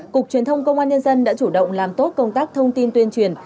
cục truyền thông công an nhân dân đã chủ động làm tốt công tác thông tin tuyên truyền